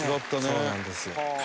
そうなんですよ。